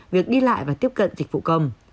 việc đi lại và tiếp cận dịch vụ công